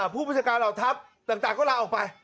ผู้บัญชาการเหล่าทัพต่างก็ลาออกไป